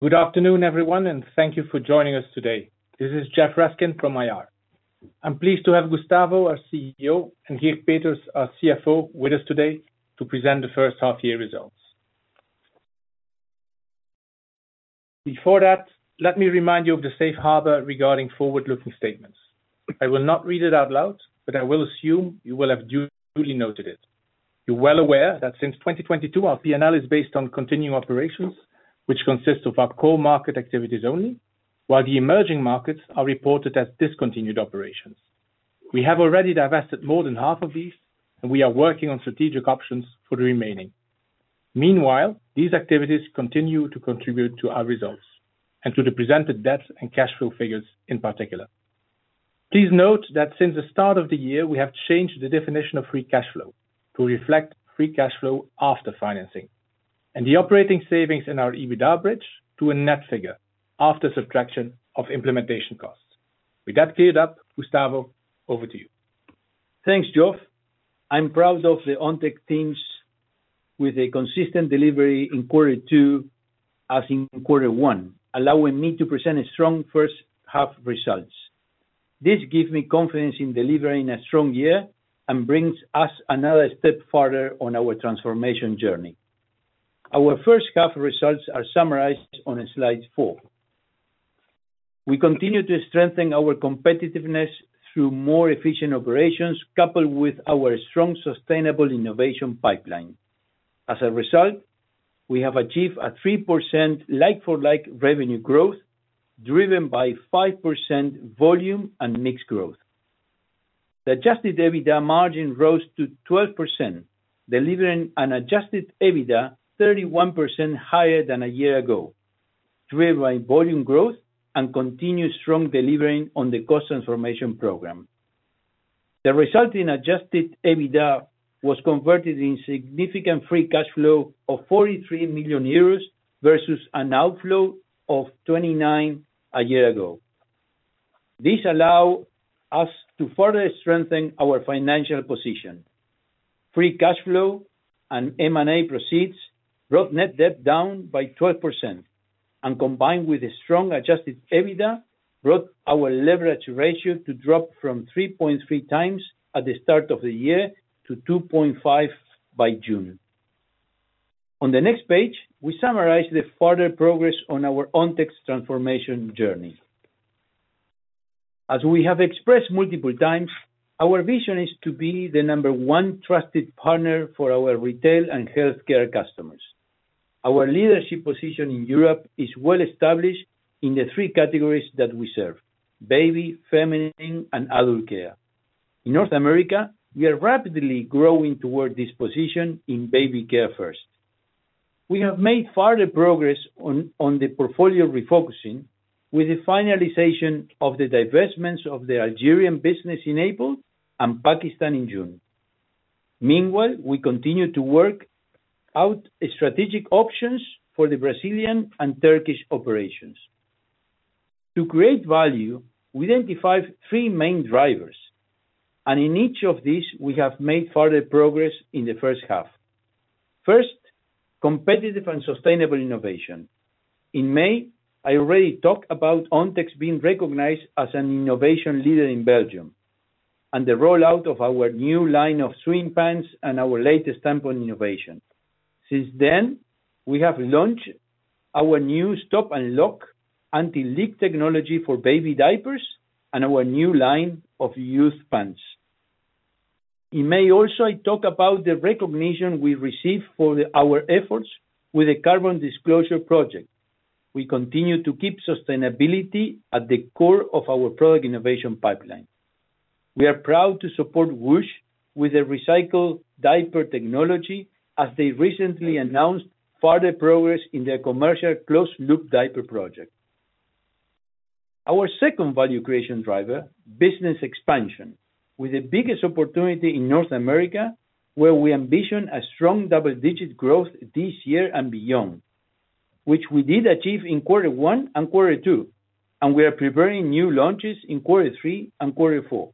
Good afternoon, everyone, and thank you for joining us today. This is Geoffroy Raskin from IR. I'm pleased to have Gustavo, our CEO, and Geert Peeters, our CFO, with us today to present the first half year results. Before that, let me remind you of the safe harbor regarding forward-looking statements. I will not read it out loud, but I will assume you will have duly noted it. You're well aware that since 2022, our P&L is based on continuing operations, which consists of our core market activities only, while the emerging markets are reported as discontinued operations. We have already divested more than half of these, and we are working on strategic options for the remaining. Meanwhile, these activities continue to contribute to our results and to the presented debt and cash flow figures in particular. Please note that since the start of the year, we have changed the definition of Free Cash Flow to reflect Free Cash Flow after financing, and the operating savings in our EBITDA bridge to a net figure after subtraction of implementation costs. With that cleared up, Gustavo, over to you. Thanks, Geoff. I'm proud of the Ontex teams with a consistent delivery in quarter two, as in quarter one, allowing me to present a strong first half results. This gives me confidence in delivering a strong year and brings us another step further on our transformation journey. Our first half results are summarized on slide 4. We continue to strengthen our competitiveness through more efficient operations, coupled with our strong, sustainable innovation pipeline. As a result, we have achieved a 3% like-for-like revenue growth, driven by 5% volume and mix growth. The Adjusted EBITDA margin rose to 12%, delivering an Adjusted EBITDA 31% higher than a year ago, driven by volume growth and continued strong delivering on the cost transformation program. The resulting Adjusted EBITDA was converted in significant Free Cash Flow of 43 million euros versus an outflow of 29 million a year ago. This allows us to further strengthen our financial position. Free Cash Flow and M&A proceeds brought net debt down by 12%, and combined with a strong Adjusted EBITDA, brought our Leverage Ratio to drop from 3.3 times at the start of the year to 2.5 by June. On the next page, we summarize the further progress on our Ontex transformation journey. As we have expressed multiple times, our vision is to be the number one trusted partner for our retail and healthcare customers. Our leadership position in Europe is well established in the three categories that we serve: baby, feminine, and adult care. In North America, we are rapidly growing toward this position in baby care first. We have made further progress on the portfolio refocusing, with the finalization of the divestments of the Algerian business in April and Pakistan in June. Meanwhile, we continue to work out strategic options for the Brazilian and Turkish operations. To create value, we identify three main drivers, and in each of these, we have made further progress in the first half. First, competitive and sustainable innovation. In May, I already talked about Ontex being recognized as an innovation leader in Belgium, and the rollout of our new line of Swim pants and our latest tampon innovation. Since then, we have launched our new Stop & Lock anti-leak technology for baby diapers and our new line of Youth pants. In May also, I talk about the recognition we received for our efforts with the Carbon Disclosure Project. We continue to keep sustainability at the core of our product innovation pipeline. We are proud to support Woosh with a recycled diaper technology, as they recently announced further progress in their commercial closed-loop diaper project. Our second value creation driver, business expansion, with the biggest opportunity in North America, where we ambition a strong double-digit growth this year and beyond, which we did achieve in quarter one and quarter two, and we are preparing new launches in quarter three and quarter four.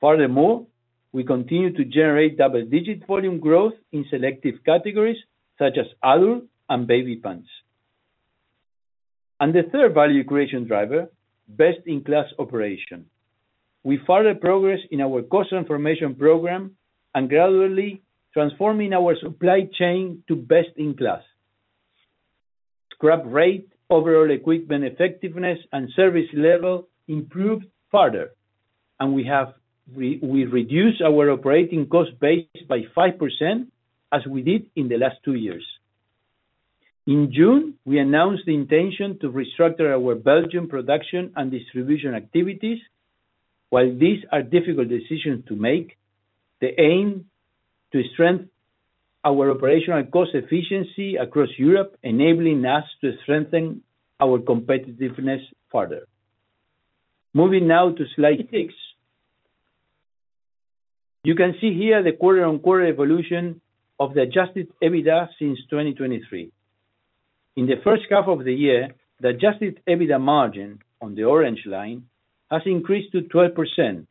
Furthermore, we continue to generate double-digit volume growth in selective categories, such as adult and baby pants. And the third value creation driver, best-in-class operation. We further progress in our cost transformation program and gradually transforming our supply chain to best in class. Scrap rate, overall equipment effectiveness, and service level improved further, and we have reduced our operating cost base by 5%, as we did in the last two years. In June, we announced the intention to restructure our Belgium production and distribution activities. While these are difficult decisions to make, they aim to strengthen our operational cost efficiency across Europe, enabling us to strengthen our competitiveness further. Moving now to slide 6. You can see here the quarter-on-quarter evolution of the adjusted EBITDA since 2023. In the first half of the year, the adjusted EBITDA margin, on the orange line, has increased to 12%...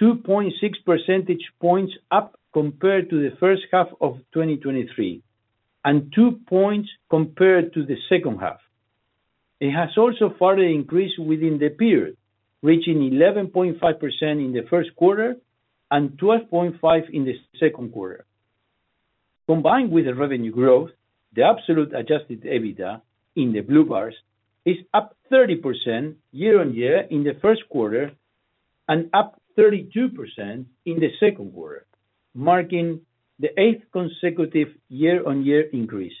2.6 percentage points up compared to the first half of 2023, and two points compared to the second half. It has also further increased within the period, reaching 11.5% in the first quarter and 12.5% in the second quarter. Combined with the revenue growth, the absolute adjusted EBITDA, in the blue bars, is up 30% year-on-year in the first quarter and up 32% in the second quarter, marking the 8th consecutive year-on-year increase.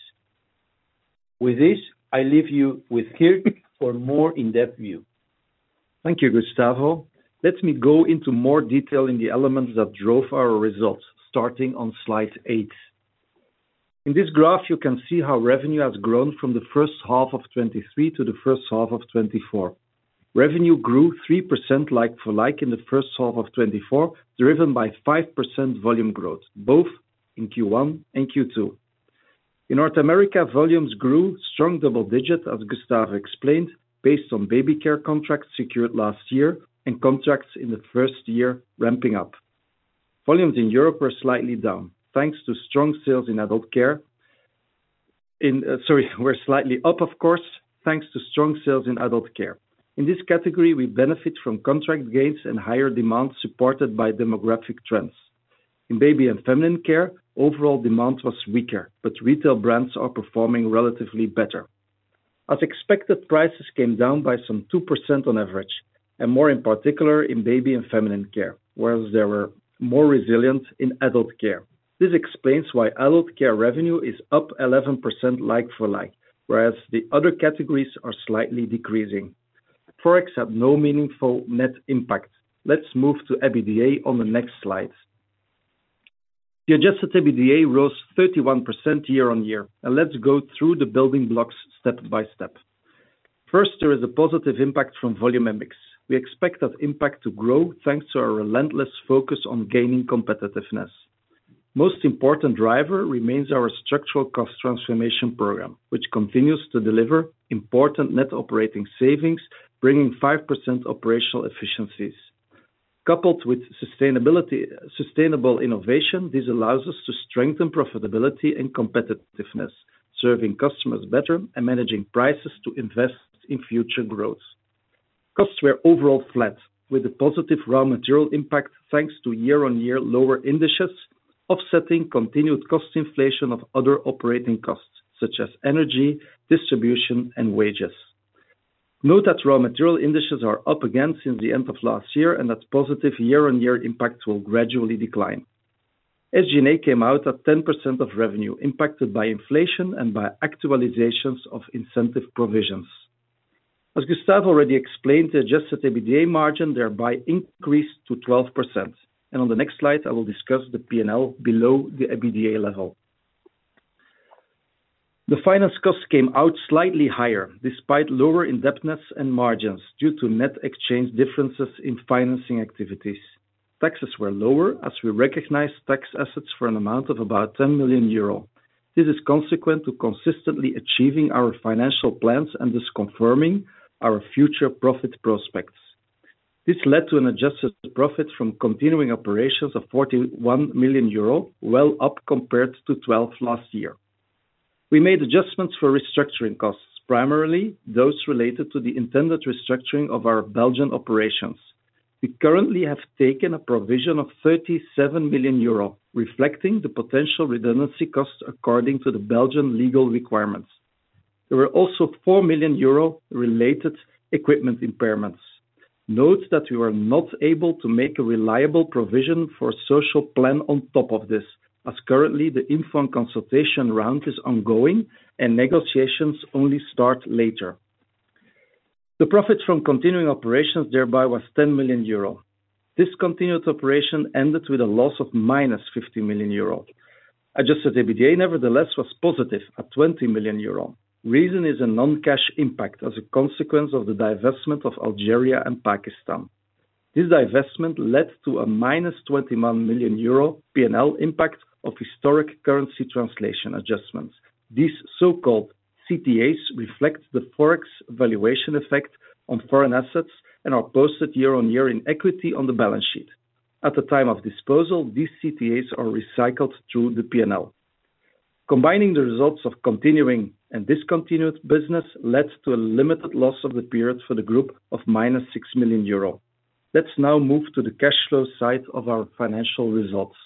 With this, I leave you with Geert for a more in-depth view. Thank you, Gustavo. Let me go into more detail in the elements that drove our results, starting on slide 8. In this graph, you can see how revenue has grown from the first half of 2023 to the first half of 2024. Revenue grew 3% like-for-like in the first half of 2024, driven by 5% volume growth, both in Q1 and Q2. In North America, volumes grew strong double digits, as Gustavo explained, based on baby care contracts secured last year and contracts in the first year ramping up. Volumes in Europe were slightly up, of course, thanks to strong sales in adult care. In this category, we benefit from contract gains and higher demand, supported by demographic trends. In baby and feminine care, overall demand was weaker, but retail brands are performing relatively better. As expected, prices came down by some 2% on average, and more in particular in baby and feminine care, whereas they were more resilient in adult care. This explains why adult care revenue is up 11% like-for-like, whereas the other categories are slightly decreasing. Forex had no meaningful net impact. Let's move to EBITDA on the next slide. The Adjusted EBITDA rose 31% year-on-year, and let's go through the building blocks step by step. First, there is a positive impact from volume and mix. We expect that impact to grow, thanks to our relentless focus on gaining competitiveness. Most important driver remains our structural cost transformation program, which continues to deliver important net operating savings, bringing 5% operational efficiencies. Coupled with sustainability, sustainable innovation, this allows us to strengthen profitability and competitiveness, serving customers better and managing prices to invest in future growth. Costs were overall flat, with a positive raw material impact, thanks to year-on-year lower indices, offsetting continued cost inflation of other operating costs, such as energy, distribution, and wages. Note that raw material indices are up again since the end of last year, and that positive year-on-year impact will gradually decline. SG&A came out at 10% of revenue, impacted by inflation and by actualizations of incentive provisions. As Gustavo already explained, the adjusted EBITDA margin thereby increased to 12%, and on the next slide, I will discuss the P&L below the EBITDA level. The finance costs came out slightly higher, despite lower indebtedness and margins, due to net exchange differences in financing activities. Taxes were lower, as we recognized tax assets for an amount of about 10 million euro. This is consequent to consistently achieving our financial plans and thus confirming our future profit prospects. This led to an adjusted profit from continuing operations of 41 million euro, well up compared to 12 last year. We made adjustments for restructuring costs, primarily those related to the intended restructuring of our Belgian operations. We currently have taken a provision of 37 million euro, reflecting the potential redundancy costs according to the Belgian legal requirements. There were also 4 million euro related equipment impairments. Note that we were not able to make a reliable provision for social plan on top of this, as currently the Infon consultation round is ongoing and negotiations only start later. The profit from continuing operations thereby was 10 million euro. This continued operation ended with a loss of -50 million euro. Adjusted EBITDA, nevertheless, was positive at 20 million euro. Reason is a non-cash impact as a consequence of the divestment of Algeria and Pakistan. This divestment led to a -21 million euro P&L impact of historic currency translation adjustments. These so-called CTAs reflect the Forex valuation effect on foreign assets and are posted year-on-year in equity on the balance sheet. At the time of disposal, these CTAs are recycled through the P&L. Combining the results of continuing and discontinued business led to a limited loss of the period for the group of -6 million euro. Let's now move to the cash flow side of our financial results.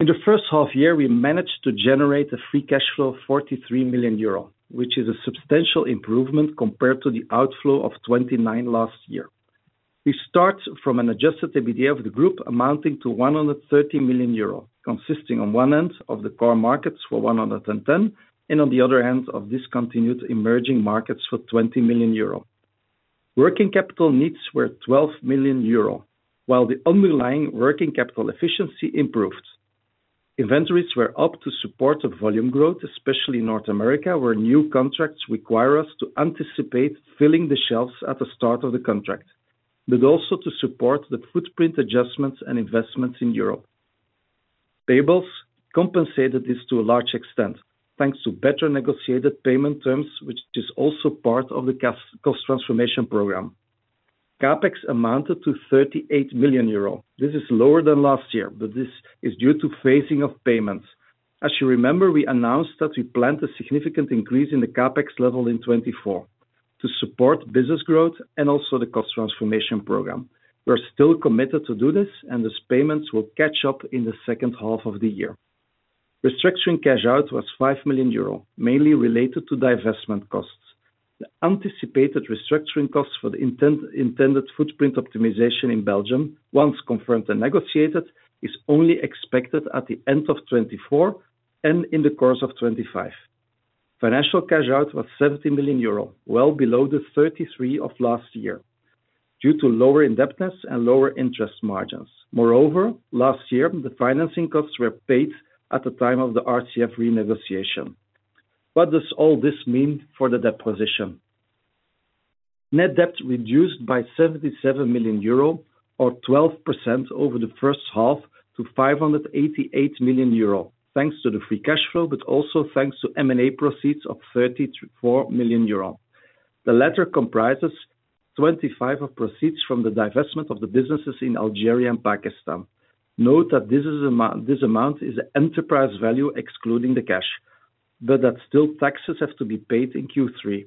In the first half year, we managed to generate a free cash flow of 43 million euro, which is a substantial improvement compared to the outflow of 29 million last year. We start from an Adjusted EBITDA of the group amounting to 130 million euro, consisting on one end of the core markets for 110 million, and on the other hand, of discontinued emerging markets for 20 million euro. Working capital needs were 12 million euro, while the underlying working capital efficiency improved. Inventories were up to support the volume growth, especially in North America, where new contracts require us to anticipate filling the shelves at the start of the contract, but also to support the footprint adjustments and investments in Europe. Payables compensated this to a large extent, thanks to better negotiated payment terms, which is also part of the cost, cost transformation program. CapEx amounted to 38 million euro. This is lower than last year, but this is due to phasing of payments. As you remember, we announced that we planned a significant increase in the CapEx level in 2024 to support business growth and also the cost transformation program. We are still committed to do this, and these payments will catch up in the second half of the year. Restructuring cash out was 5 million euro, mainly related to divestment costs. The anticipated restructuring costs for the intended footprint optimization in Belgium, once confirmed and negotiated, is only expected at the end of 2024 and in the course of 2025. Financial cash out was 17 million euro, well below the 33 of last year, due to lower indebtedness and lower interest margins. Moreover, last year, the financing costs were paid at the time of the RCF renegotiation. What does all this mean for the debt position? Net debt reduced by 77 million euro or 12% over the first half to 588 million euro, thanks to the free cash flow, but also thanks to M&A proceeds of 34 million euro. The latter comprises 25 of proceeds from the divestment of the businesses in Algeria and Pakistan. Note that this amount is enterprise value, excluding the cash, but that still taxes have to be paid in Q3.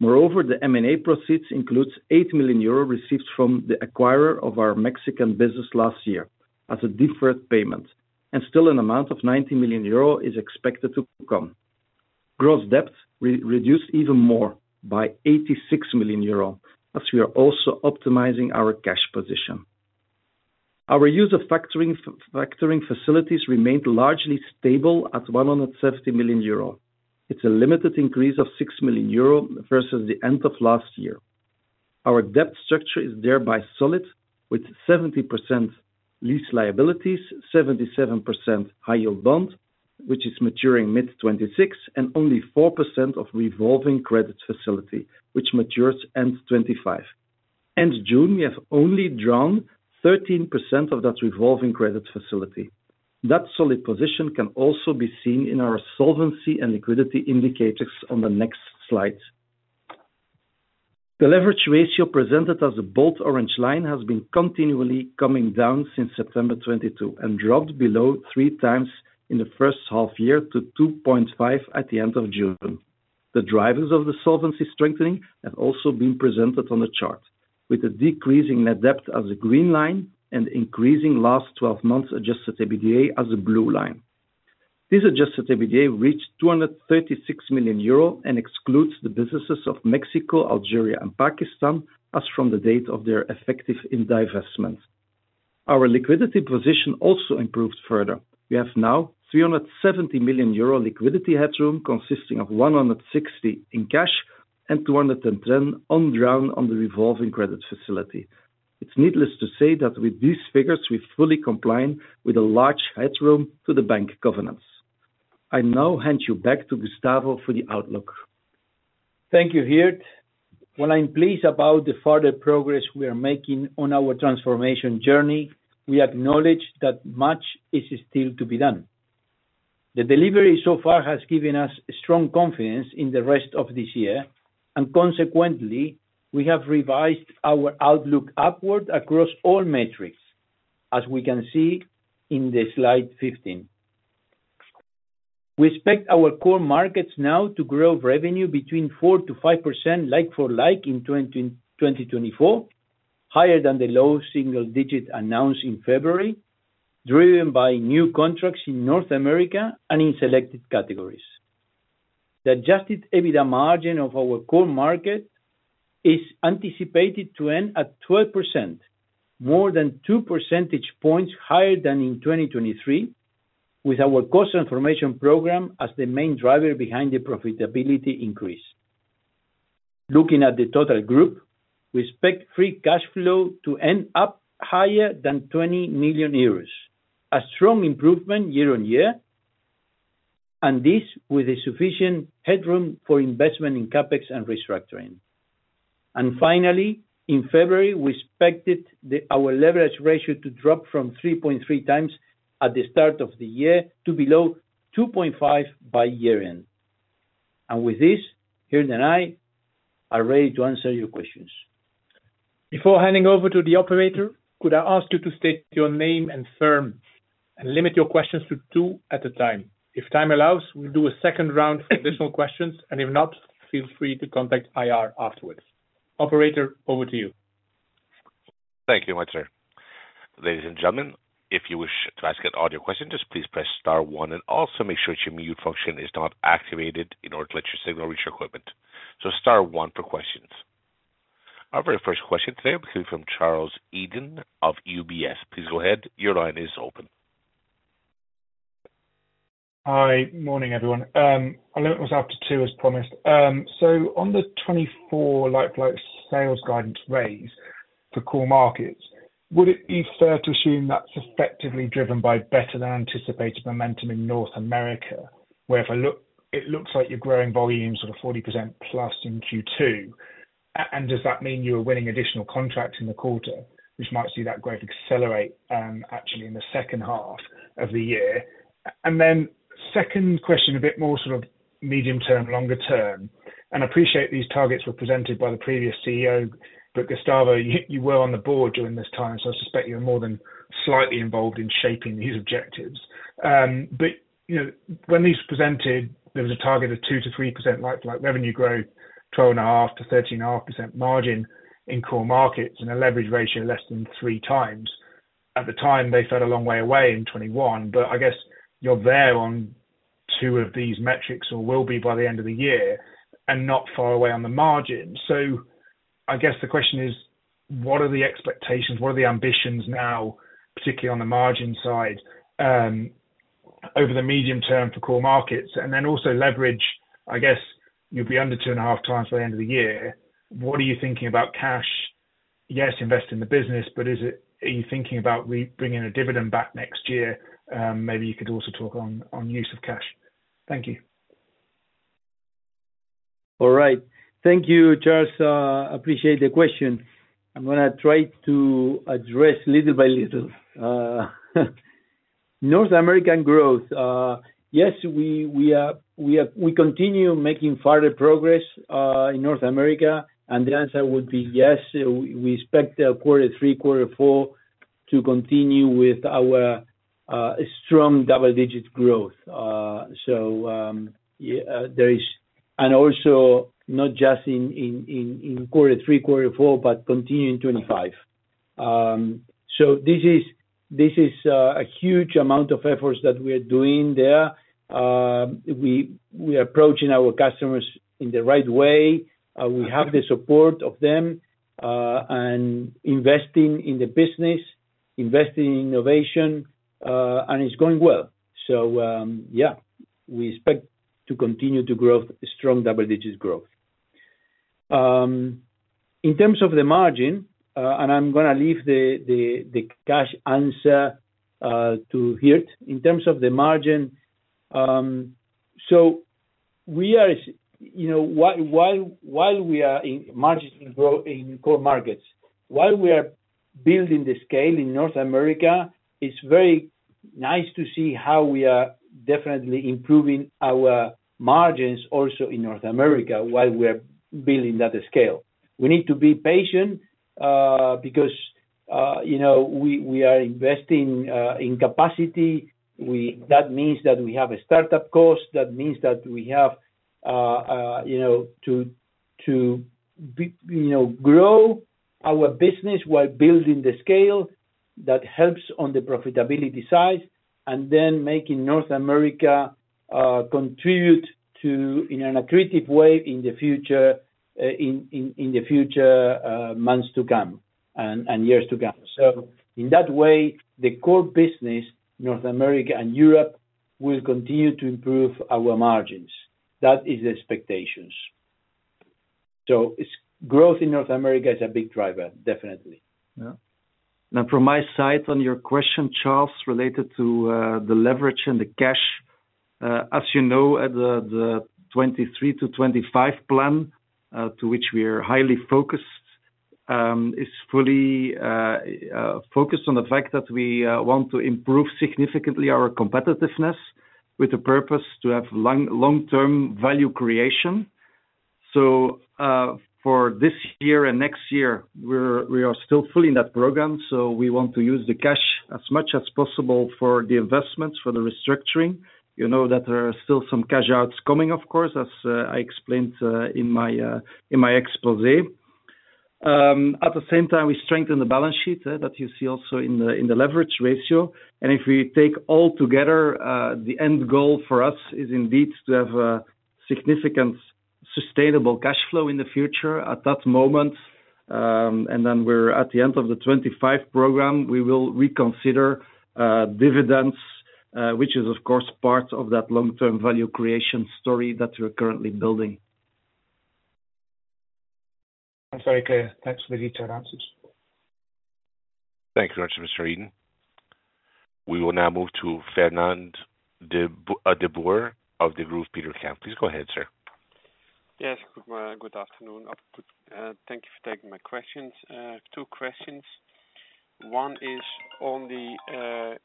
Moreover, the M&A proceeds includes 8 million euro received from the acquirer of our Mexican business last year as a deferred payment, and still an amount of 90 million euro is expected to come. Gross debt reduced even more by 86 million euro, as we are also optimizing our cash position. Our use of factoring facilities remained largely stable at 170 million euro. It's a limited increase of 6 million euro versus the end of last year. Our debt structure is thereby solid, with 70% lease liabilities, 77% High Yield Bond, which is maturing mid-2026, and only 4% of revolving credit facility, which matures end 2025. End June, we have only drawn 13% of that revolving credit facility. That solid position can also be seen in our solvency and liquidity indicators on the next slide. The leverage ratio, presented as a bold orange line, has been continually coming down since September 2022 and dropped below 3x in the first half year to 2.5 at the end of June. The drivers of the solvency strengthening have also been presented on the chart, with a decrease in net debt as a green line and increasing last twelve months Adjusted EBITDA as a blue line. This adjusted EBITDA reached 236 million euro and excludes the businesses of Mexico, Algeria, and Pakistan, as from the date of their effective divestment. Our liquidity position also improved further. We have now 370 million euro liquidity headroom, consisting of 160 in cash and 210 undrawn on the revolving credit facility. It's needless to say that with these figures, we fully comply with a large headroom to the bank governance. I now hand you back to Gustavo for the outlook. Thank you, Geert. While I'm pleased about the further progress we are making on our transformation journey, we acknowledge that much is still to be done. The delivery so far has given us strong confidence in the rest of this year, and consequently, we have revised our outlook upward across all metrics, as we can see in the slide 15. We expect our core markets now to grow revenue between 4%-5% like-for-like in 2024, higher than the low single-digit announced in February, driven by new contracts in North America and in selected categories. The adjusted EBITDA margin of our core market is anticipated to end at 12%, more than two percentage points higher than in 2023, with our cost transformation program as the main driver behind the profitability increase. Looking at the total group, we expect Free Cash Flow to end up higher than 20 million euros, a strong improvement year-over-year, and this with a sufficient headroom for investment in CapEx and restructuring. And finally, in February, we expected our leverage ratio to drop from 3.3 times at the start of the year to below 2.5 by year-end. And with this, Geert and I are ready to answer your questions. Before handing over to the operator, could I ask you to state your name and firm and limit your questions to two at a time? If time allows, we'll do a second round for additional questions, and if not, feel free to contact IR afterwards. Operator, over to you. Thank you much, sir. Ladies and gentlemen, if you wish to ask an audio question, just please press star one and also make sure your mute function is not activated in order to let your signal reach your equipment. So star one for questions. Our very first question today will be from Charles Eden of UBS. Please go ahead. Your line is open. Hi. Morning, everyone. I'll limit myself to two, as promised. So on the 24 like-for-like sales guidance raise for core markets, would it be fair to assume that's effectively driven by better than anticipated momentum in North America, where if I look... it looks like you're growing volumes of 40%+ in Q2? And does that mean you are winning additional contracts in the quarter, which might see that growth accelerate, actually in the second half of the year? And then second question, a bit more sort of medium term, longer term, and I appreciate these targets were presented by the previous CEO, but Gustavo, you, you were on the board during this time, so I suspect you're more than slightly involved in shaping these objectives. But, you know, when these presented, there was a target of 2%-3% like revenue growth, 12.5%-13.5% margin in core markets, and a leverage ratio less than 3x. At the time, they felt a long way away in 2021, but I guess you're there on two of these metrics, or will be by the end of the year, and not far away on the margin. So I guess the question is: What are the expectations? What are the ambitions now, particularly on the margin side, over the medium term for core markets? And then also leverage, I guess, you'll be under 2.5x by the end of the year, what are you thinking about cash? Yes, invest in the business, but are you thinking about bringing a dividend back next year? Maybe you could also talk on use of cash. Thank you. All right. Thank you, Charles. Appreciate the question. I'm gonna try to address little by little. North American growth, yes, we continue making further progress in North America, and the answer would be yes, we expect quarter three, quarter four to continue with our strong double-digit growth. So, yeah, there is... And also not just in quarter three, quarter four, but continue in 2025. So this is a huge amount of efforts that we are doing there. We are approaching our customers in the right way, we have the support of them, and investing in the business, investing in innovation, and it's going well. So, yeah, we expect to continue to grow, strong double-digit growth. In terms of the margin, and I'm gonna leave the cash answer to Geert. In terms of the margin, so we are, you know, while we are in margin growth in core markets, while we are building the scale in North America, it's very nice to see how we are definitely improving our margins also in North America, while we are building that scale. We need to be patient, because, you know, we are investing in capacity. That means that we have a startup cost, that means that we have, you know, to grow our business while building the scale that helps on the profitability side, and then making North America contribute to, in an accretive way in the future, months to come and years to come. So in that way, the core business, North America and Europe, will continue to improve our margins. That is the expectations. So growth in North America is a big driver, definitely. Yeah. Now, from my side, on your question, Charles, related to the leverage and the cash, as you know, at the 2023-2025 plan, to which we are highly focused, is fully focused on the fact that we want to improve significantly our competitiveness with the purpose to have long-term value creation. So, for this year and next year, we are still fully in that program, so we want to use the cash as much as possible for the investments, for the restructuring. You know that there are still some cash outs coming, of course, as I explained in my exposé. At the same time, we strengthen the balance sheet, that you see also in the leverage ratio. If we take all together, the end goal for us is indeed to have a significant, sustainable cash flow in the future. At that moment, and then we're at the end of the 25 program, we will reconsider, dividends, which is of course, part of that long-term value creation story that we're currently building. That's very clear. Thanks for the detailed answers. Thank you very much, Mr. Eden. We will now move to Fernand de Boer of the Degroof Petercam. Please go ahead, sir. Yes, good afternoon. Thank you for taking my questions. Two questions. One is on the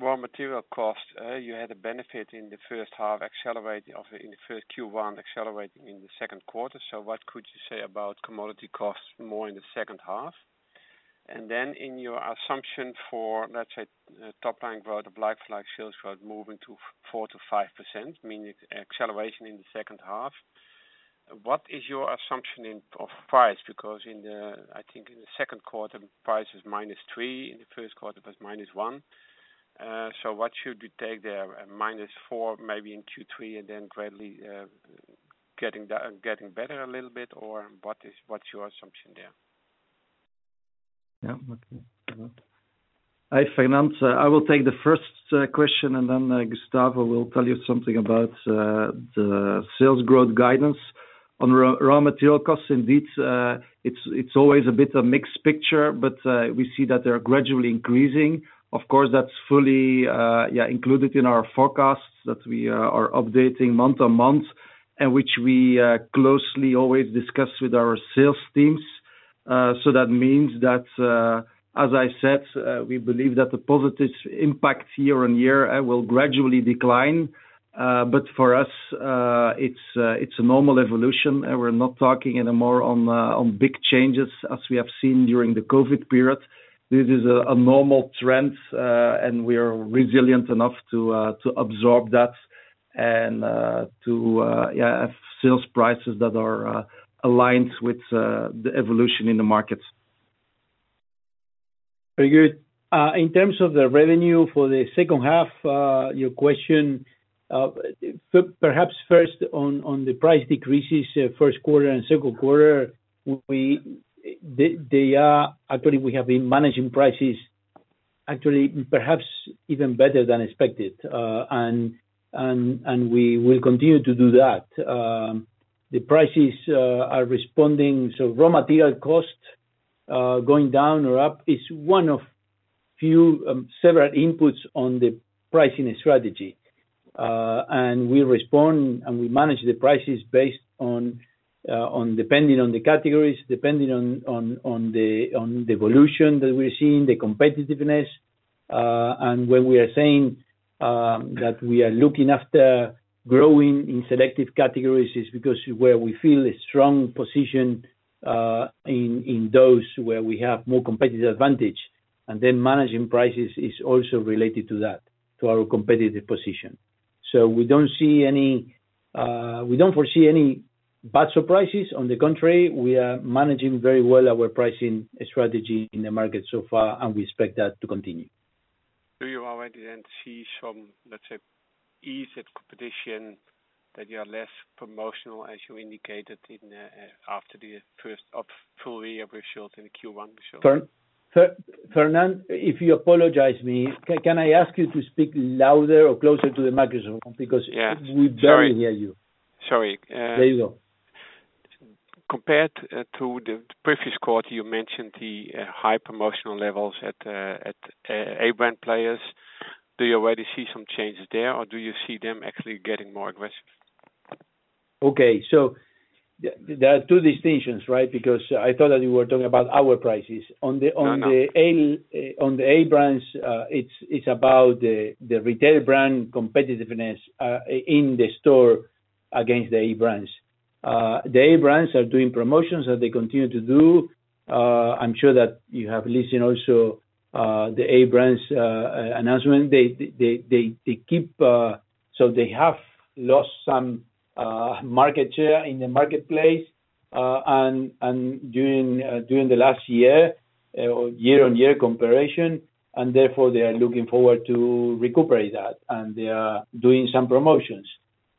raw material cost. You had a benefit in the first half, accelerating of it in the first Q1, accelerating in the second quarter. So what could you say about commodity costs more in the second half? And then in your assumption for, let's say, top-line growth of flagship sales growth moving to 4%-5%, meaning acceleration in the second quarter, what is your assumption of price? Because I think in the second quarter, price was -3%, in the first quarter it was -1%. So what should we take there? A minus 4, maybe in Q3, and then gradually getting better a little bit or what's your assumption there? Yeah, okay. Hi, Fernand. I will take the first question, and then Gustavo will tell you something about the sales growth guidance on raw material costs. Indeed, it's always a bit of mixed picture, but we see that they're gradually increasing. Of course, that's fully included in our forecasts that we are updating month on month, and which we closely always discuss with our sales teams. So that means that, as I said, we believe that the positive impact year on year will gradually decline. But for us, it's a normal evolution, and we're not talking anymore on big changes as we have seen during the COVID period. This is a normal trend, and we are resilient enough to absorb that and to have sales prices that are aligned with the evolution in the markets. Very good. In terms of the revenue for the second half, your question, perhaps first on the price decreases, first quarter and second quarter, they are actually we have been managing prices actually, perhaps even better than expected. And we will continue to do that. The prices are responding, so raw material costs going down or up is one of few several inputs on the pricing strategy. And we respond, and we manage the prices based on on depending on the categories, depending on the evolution that we're seeing, the competitiveness. When we are saying that we are looking after growing in selective categories, it is because where we feel a strong position in those where we have more competitive advantage, and then managing prices is also related to that, to our competitive position. So we don't see any. We don't foresee any bad surprises. On the contrary, we are managing very well our pricing strategy in the market so far, and we expect that to continue. Do you already then see some, let's say, ease at competition, that you are less promotional, as you indicated in, after the first of full year results in Q1 results? Fernand, if you apologize me, can I ask you to speak louder or closer to the microphone? Because- Yeah. We barely hear you. Sorry, uh- There you go. Compared to the previous quarter, you mentioned the high promotional levels at A-brand players. Do you already see some changes there, or do you see them actually getting more aggressive? Okay. So there are two distinctions, right? Because I thought that you were talking about our prices. On the- No, no. On the A brands, it's about the retailer brand competitiveness in the store against the A brands. The A brands are doing promotions, as they continue to do. I'm sure that you have listened also to the A brands announcement. They keep... So they have lost some market share in the marketplace, and during the last year, year-on-year comparison, and therefore, they are looking forward to recuperate that, and they are doing some promotions.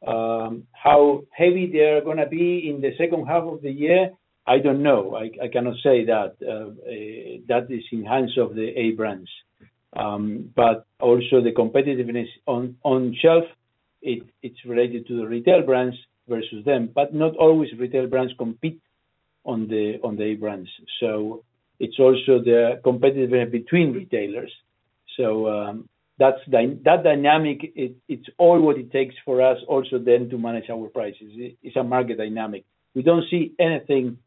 How heavy they are gonna be in the second half of the year, I don't know. I cannot say that, that is in hands of the A brands. But also the competitiveness on shelf, it's related to the retail brands versus them, but not always retail brands compete on the A brands. So it's also the competition between retailers. So, that's the dynamic, it's all what it takes for us also then to manage our prices. It's a market dynamic. We don't see anything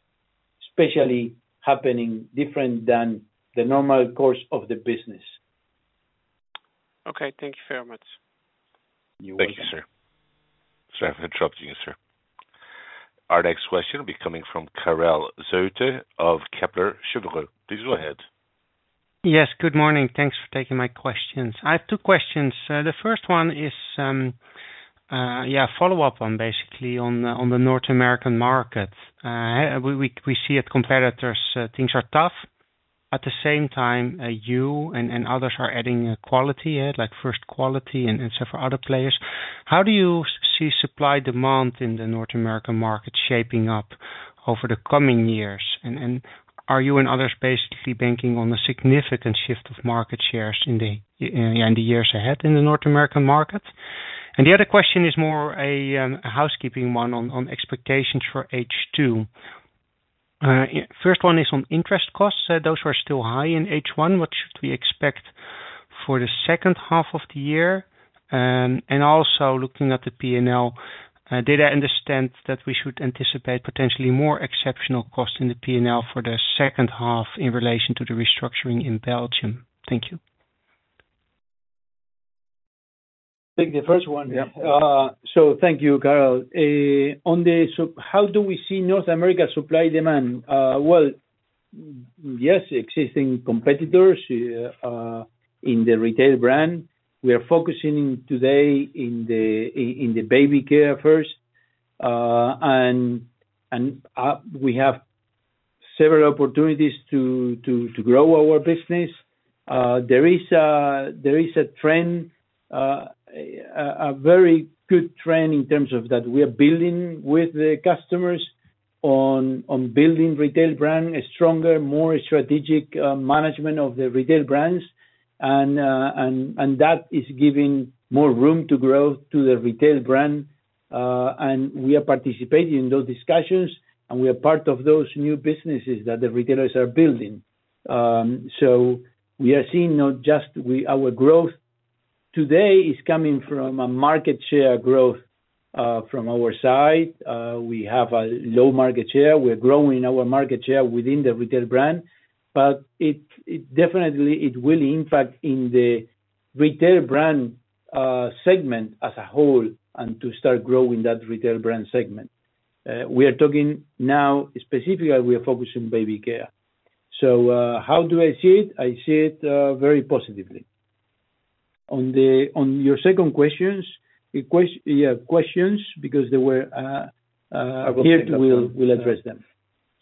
especially happening different than the normal course of the business. Okay. Thank you very much. You're welcome. Thank you, sir. Sorry for interrupting you, sir. Our next question will be coming from Karel Zoete of Kepler Cheuvreux. Please go ahead. Yes, good morning. Thanks for taking my questions. I have two questions. The first one is a follow-up on basically the North American market. We see at competitors things are tough, at the same time, you and others are adding quality, like first quality and several other players. How do you see supply demand in the North American market shaping up over the coming years? And are you and others basically banking on a significant shift of market shares in the years ahead in the North American market? And the other question is more a housekeeping one on expectations for H2. First one is on interest costs, those were still high in H1. What should we expect for the second half of the year? Also looking at the P&L, did I understand that we should anticipate potentially more exceptional costs in the P&L for the second half, in relation to the restructuring in Belgium? Thank you. Take the first one. Yeah. So thank you, Karel. So how do we see North America supply demand? Well, yes, existing competitors in the retail brand, we are focusing today in the baby care first. And we have several opportunities to grow our business. There is a trend, a very good trend in terms of that we are building with the customers on building retail brand, a stronger, more strategic management of the retail brands. And that is giving more room to grow to the retail brand. And we are participating in those discussions, and we are part of those new businesses that the retailers are building. So, our growth today is coming from a market share growth from our side. We have a low market share. We're growing our market share within the retail brand, but it, it definitely it will impact in the retail brand segment as a whole and to start growing that retail brand segment. We are talking now, specifically, we are focused on baby care. So, how do I see it? I see it very positively. On your second questions, the ques- yeah, questions, because they were. I will address them. We'll address them.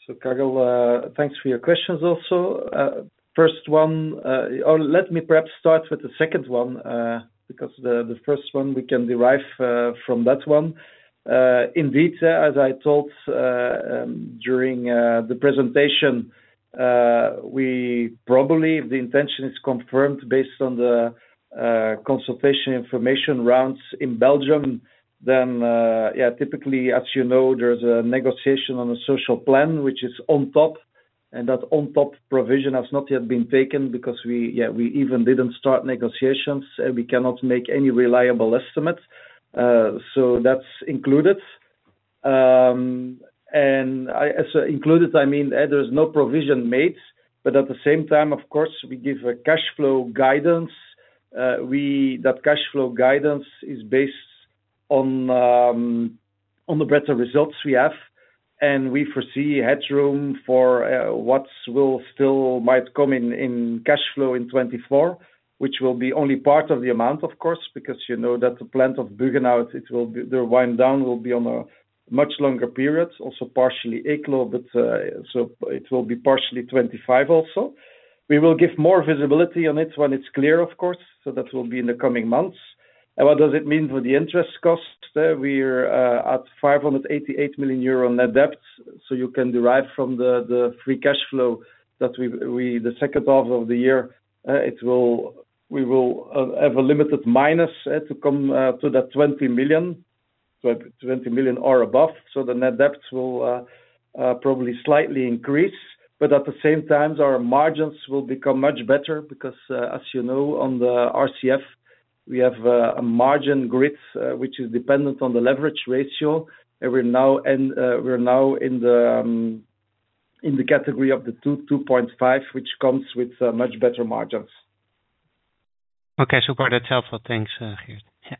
So Karel, thanks for your questions also. First one, or let me perhaps start with the second one, because the first one we can derive from that one. Indeed, as I told during the presentation, we probably the intention is confirmed based on the consultation information rounds in Belgium, then, yeah, typically, as you know, there's a negotiation on a social plan which is on top, and that on top provision has not yet been taken because we, yeah, we even didn't start negotiations, and we cannot make any reliable estimates. So that's included. And as included, I mean, there is no provision made, but at the same time, of course, we give a cash flow guidance. We... That cash flow guidance is based on, on the better results we have, and we foresee headroom for, what will still might come in, in cash flow in 2024, which will be only part of the amount of course, because you know that the plant of Buggenhout, it will be the wind down will be on a much longer period, also partially Eeklo, but, so it will be partially 2025 also. We will give more visibility on it when it's clear, of course, so that will be in the coming months. What does it mean for the interest costs? We're at 588 million euro net debt, so you can derive from the free cash flow that we the second half of the year we will have a limited minus to come to that 20 million, but 20 million or above. So the net debt will probably slightly increase. But at the same time, our margins will become much better because as you know, on the RCF, we have a margin grid which is dependent on the leverage ratio. And we're now in the category of the 2-2.5, which comes with much better margins. Okay, super. That's helpful. Thanks, Geert. Yeah.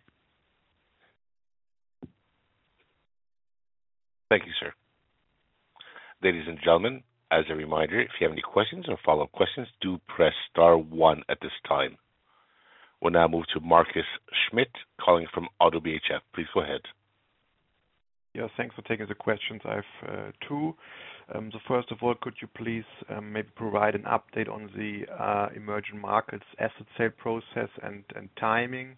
Thank you, sir. Ladies and gentlemen, as a reminder, if you have any questions or follow-up questions, do press star one at this time. We'll now move to Marcus Schmidt, calling from Oddo BHF. Please go ahead. Yeah, thanks for taking the questions. I have two. So first of all, could you please maybe provide an update on the emerging markets asset sale process and timing?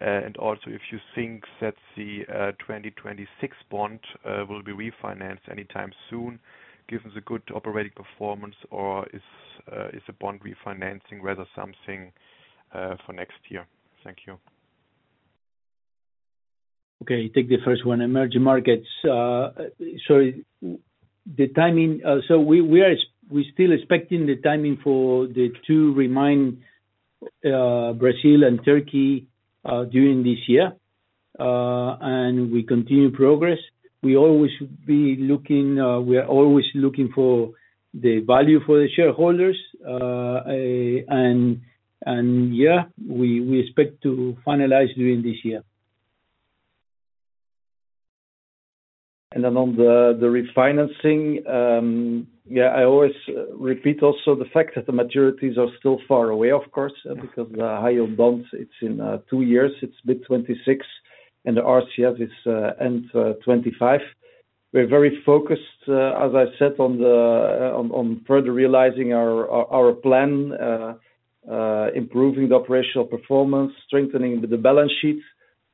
And also, if you think that the 2026 bond will be refinanced anytime soon, given the good operating performance, or is the bond refinancing rather something for next year? Thank you. Okay, take the first one, emerging markets. So the timing, so we're still expecting the timing for the two remaining, Brazil and Turkey, during this year, and we continue progress. We always be looking, we are always looking for the value for the shareholders. And, and yeah, we, we expect to finalize during this year. And then on the refinancing, yeah, I always repeat also the fact that the maturities are still far away, of course, because the high yield bonds, it's in 2 years, it's mid-2026, and the RCF is end 2025. We're very focused, as I said, on further realizing our plan, improving the operational performance, strengthening the balance sheet.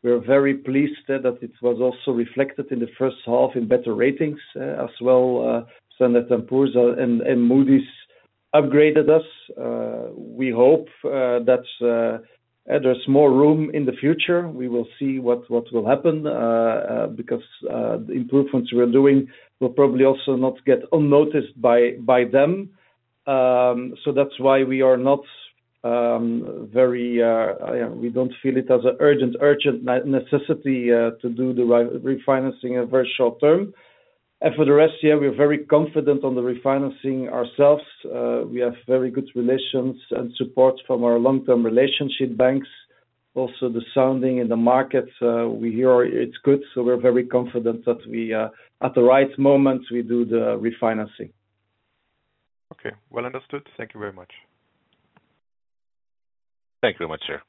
We are very pleased that it was also reflected in the first half in better ratings, as well, Standard and Poor's and Moody's upgraded us. We hope that there's more room in the future. We will see what will happen, because the improvements we're doing will probably also not get unnoticed by them. So that's why we are not very, we don't feel it as an urgent necessity to do the refinancing in very short term. For the rest, we're very confident on the refinancing ourselves. We have very good relations and support from our long-term relationship banks. Also, the sounding in the markets, we hear it's good, so we're very confident that we, at the right moment, we do the refinancing. Okay. Well understood. Thank you very much. Thank you very much, sir.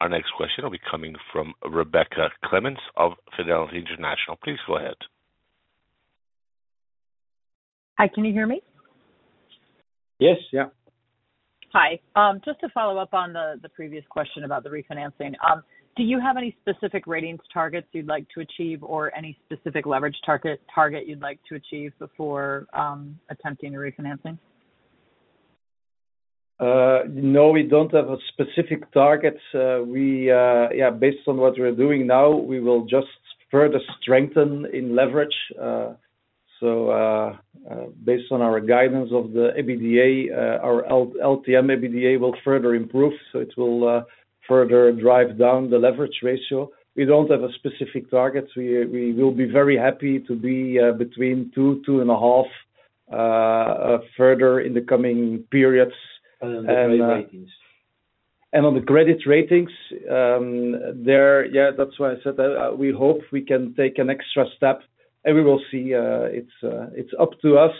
Our next question will be coming from Rebecca Clements of Fidelity International. Please go ahead. Hi, can you hear me?... Yes. Yeah. Hi. Just to follow up on the previous question about the refinancing. Do you have any specific ratings targets you'd like to achieve, or any specific leverage target you'd like to achieve before attempting a refinancing? No, we don't have a specific target. We, yeah, based on what we're doing now, we will just further strengthen in leverage. So, based on our guidance of the EBITDA, our LTM EBITDA will further improve, so it will further drive down the leverage ratio. We don't have a specific target, we will be very happy to be between 2 and 2.5 or further in the coming periods. On the credit ratings. And on the credit ratings, there, yeah, that's why I said that, we hope we can take an extra step, and we will see. It's, it's up to us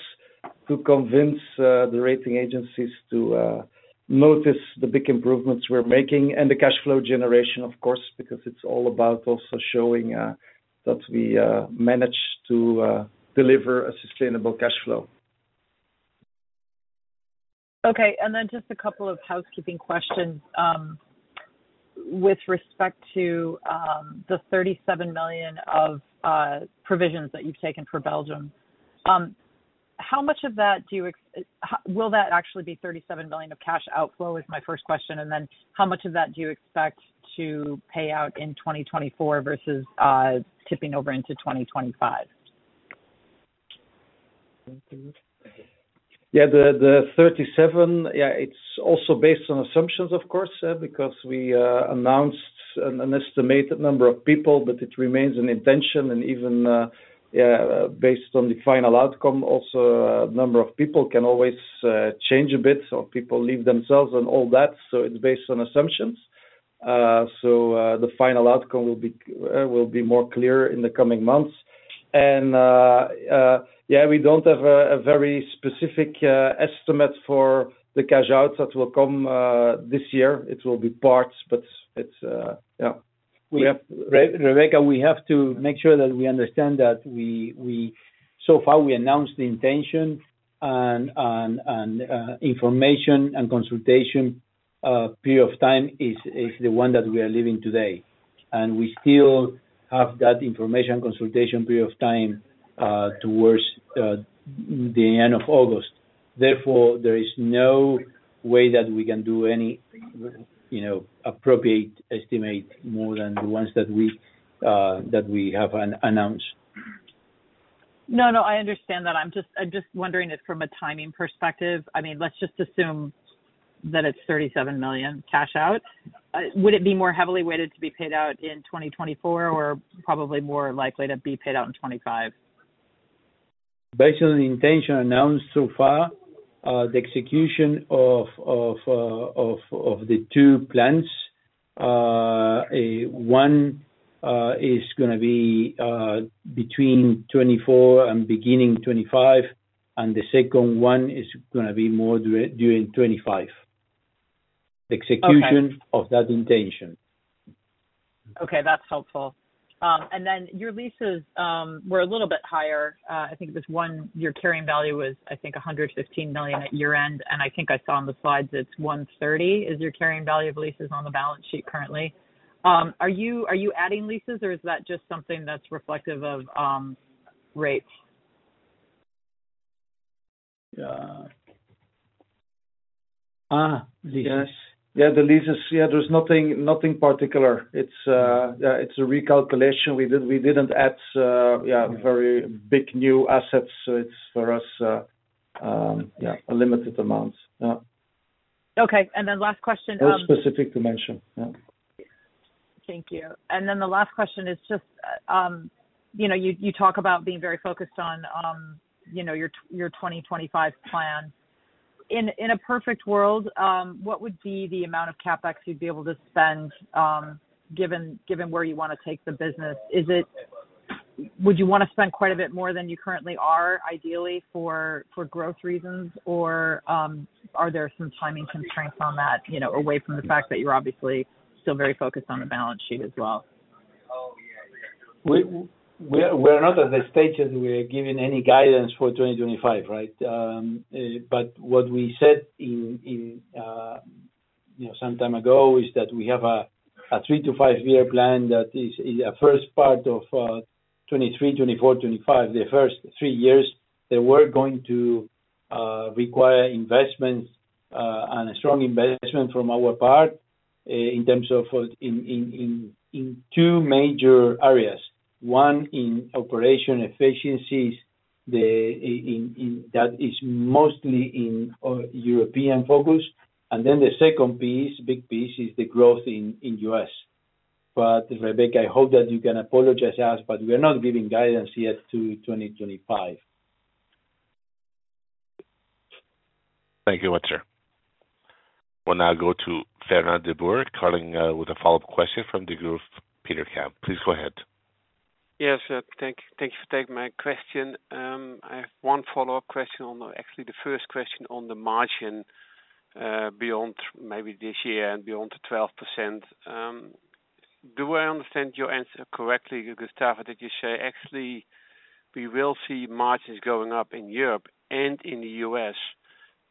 to convince the rating agencies to notice the big improvements we're making and the cash flow generation, of course, because it's all about also showing that we manage to deliver a sustainable cash flow. Okay. And then just a couple of housekeeping questions. With respect to the 37 million of provisions that you've taken for Belgium, will that actually be 37 million of cash outflow, is my first question? And then how much of that do you expect to pay out in 2024 versus tipping over into 2025? Yeah, the 37, yeah, it's also based on assumptions, of course, because we announced an estimated number of people, but it remains an intention. And even, yeah, based on the final outcome, also, number of people can always change a bit, or people leave themselves and all that, so it's based on assumptions. So, the final outcome will be more clear in the coming months. And, yeah, we don't have a very specific estimate for the cash outs that will come this year. It will be parts, but it's, yeah. We have, Rebecca, we have to make sure that we understand that we, so far, we announced the intention and information and consultation period of time is the one that we are living today. And we still have that information consultation period of time towards the end of August. Therefore, there is no way that we can do any, you know, appropriate estimate more than the ones that we that we have announced. No, no, I understand that. I'm just wondering this from a timing perspective. I mean, let's just assume that it's 37 million cash out. Would it be more heavily weighted to be paid out in 2024, or probably more likely to be paid out in 2025? Based on the intention announced so far, the execution of the two plans, one is gonna be between 2024 and beginning 2025, and the second one is gonna be more during 2025, the execution- Okay. - of that intention. Okay, that's helpful. And then your leases were a little bit higher. I think your carrying value was, I think, 115 million at year-end, and I think I saw on the slides it's 130 million. Is your carrying value of leases on the balance sheet currently? Are you, are you adding leases, or is that just something that's reflective of rates? Yes. Yeah, the leases, yeah, there's nothing, nothing particular. It's, yeah, it's a recalculation. We did, we didn't add, yeah, very big new assets, so it's for us, yeah, a limited amount. Yeah. Okay. Then last question, No specifics to mention. Yeah. Thank you. Then the last question is just, you know, you talk about being very focused on, you know, your 2025 plan. In a perfect world, what would be the amount of CapEx you'd be able to spend, given where you wanna take the business? Is it? Would you wanna spend quite a bit more than you currently are, ideally, for growth reasons? Or, are there some timing constraints on that, you know, away from the fact that you're obviously still very focused on the balance sheet as well? We're not at the stage that we're giving any guidance for 2025, right? But what we said, you know, some time ago, is that we have a 3-5-year plan that is a first part of 2023, 2024, 2025. The first 3 years, they were going to require investments and a strong investment from our part in terms of 2 major areas. One, in operation efficiencies, that is mostly in European focus. And then the second piece, big piece, is the growth in U.S. But Rebecca, I hope that you can apologize us, but we are not giving guidance yet to 2025. Thank you much, sir. We'll now go to Fernand de Boer, calling with a follow-up question from the group Petercam. Please go ahead. Yes, thank you for taking my question. I have one follow-up question on, actually, the first question on the margin, beyond maybe this year and beyond the 12%, Do I understand your answer correctly, Gustavo, that you say, actually, we will see margins going up in Europe and in the U.S.,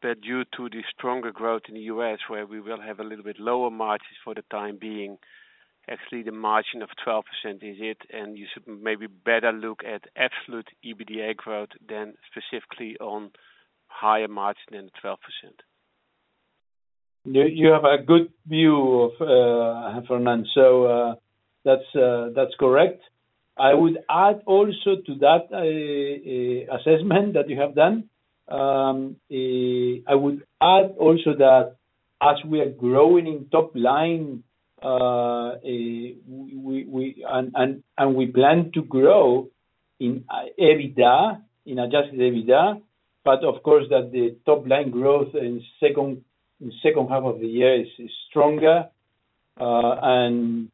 but due to the stronger growth in the U.S., where we will have a little bit lower margins for the time being, actually, the margin of 12% is it, and you should maybe better look at absolute EBITDA growth than specifically on higher margin than 12%? You have a good view of Fernand. So, that's correct. I would add also to that assessment that you have done. I would add also that as we are growing in top line, we plan to grow in EBITDA, in adjusted EBITDA, but of course, that the top line growth in second half of the year is stronger. And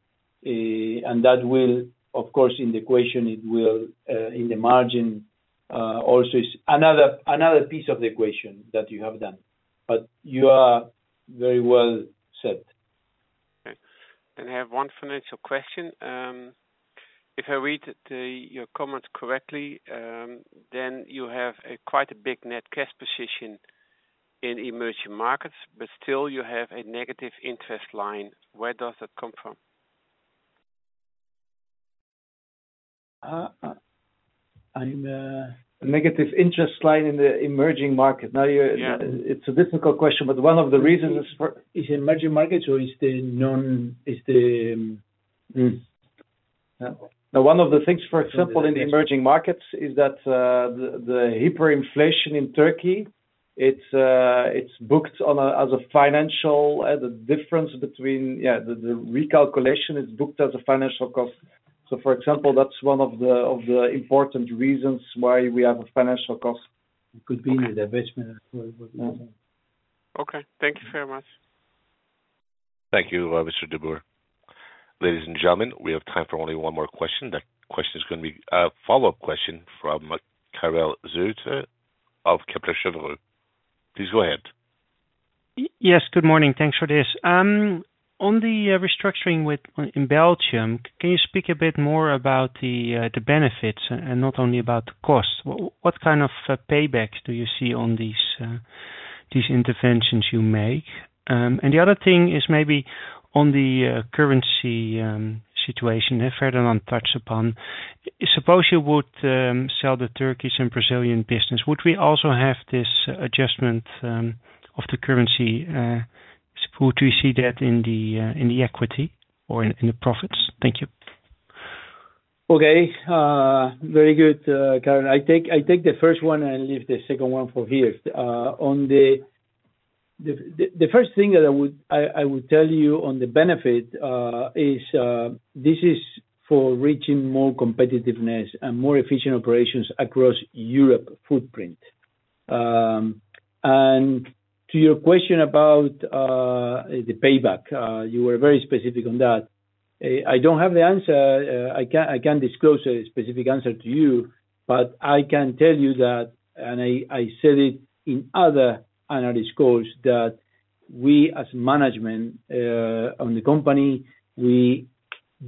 that will of course in the equation, it will in the margin also is another piece of the equation that you have done. But you are very well said. Okay. I have one financial question. If I read it, your comments correctly, then you have quite a big net cash position in emerging markets, but still you have a negative interest line. Where does that come from? Uh, uh, I'm, uh- A negative interest line in the emerging market. Now, you're- Yeah. It's a difficult question, but one of the reasons for- Is emerging markets or is the non? Now, one of the things, for example, in the emerging markets is that, the hyperinflation in Turkey, it's booked as a financial, the difference between... Yeah, the recalculation is booked as a financial cost. So for example, that's one of the important reasons why we have a financial cost. It could be in the investment as well. Okay. Thank you very much. Thank you, Mr. de Boer. Ladies and gentlemen, we have time for only one more question. That question is gonna be a follow-up question from Karel Zoete of Kepler Cheuvreux. Please go ahead. Yes, good morning. Thanks for this. On the restructuring with in Belgium, can you speak a bit more about the the benefits and not only about the costs? What kind of payback do you see on these these interventions you make? And the other thing is maybe on the currency situation, if Fernand touched upon, suppose you would sell the Turkish and Brazilian business, would we also have this adjustment of the currency, would we see that in the in the equity or in in the profits? Thank you. Okay. Very good, Karel. I take the first one and leave the second one for Geert. On the first thing that I would tell you on the benefit is this is for reaching more competitiveness and more efficient operations across Europe footprint. And to your question about the payback, you were very specific on that. I don't have the answer. I can't disclose a specific answer to you, but I can tell you that, and I said it in other analyst calls, that we as management on the company, we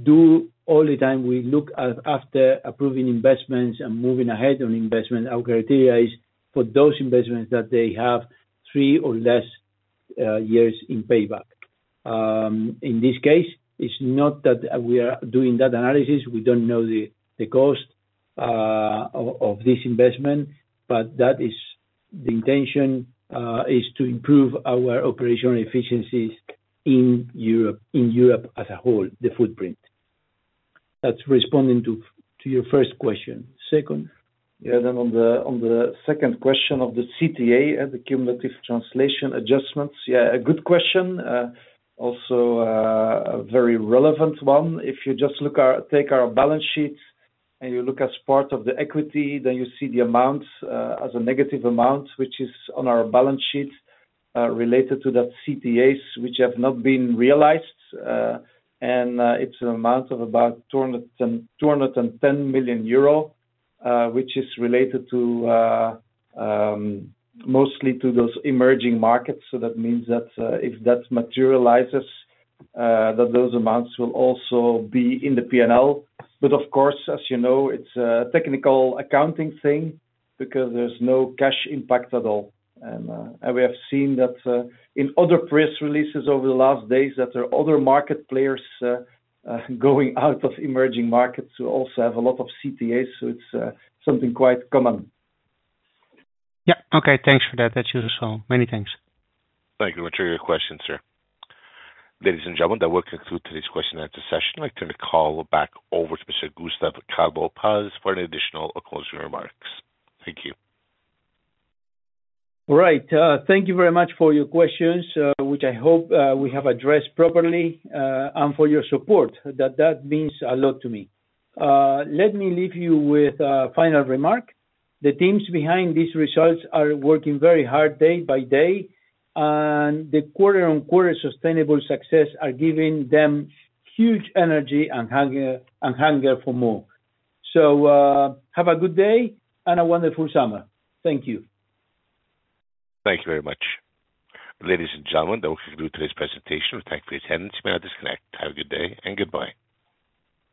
do all the time, we look at after approving investments and moving ahead on investment, our criteria is for those investments that they have three or less years in payback. In this case, it's not that we are doing that analysis. We don't know the cost of this investment, but that is the intention, is to improve our operational efficiencies in Europe, in Europe as a whole, the footprint. That's responding to your first question. Second? Yeah, then on the second question of the CTA, the cumulative translation adjustments, yeah, a good question. Also, a very relevant one. If you just take our balance sheets and you look as part of the equity, then you see the amounts as a negative amount, which is on our balance sheet related to that CTAs, which have not been realized, and it's an amount of about 210 million euro, which is related to mostly to those emerging markets. So that means that if that materializes, that those amounts will also be in the P&L. But of course, as you know, it's a technical accounting thing because there's no cash impact at all. We have seen that in other press releases over the last days that there are other market players going out of emerging markets who also have a lot of CTAs, so it's something quite common. Yeah. Okay, thanks for that. That's useful. Many thanks. Thank you much for your question, sir. Ladies and gentlemen, that will conclude today's question and answer session. I turn the call back over to Mr. Gustavo Calvo Paz for any additional or closing remarks. Thank you. Right. Thank you very much for your questions, which I hope we have addressed properly, and for your support, that means a lot to me. Let me leave you with a final remark. The teams behind these results are working very hard day by day, and the quarter-on-quarter sustainable success are giving them huge energy and hunger, and hunger for more. So, have a good day and a wonderful summer. Thank you. Thank you very much. Ladies and gentlemen, that will conclude today's presentation. We thank you for attending. You may now disconnect. Have a good day and goodbye.